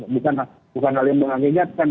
bukan hal yang mengagetkan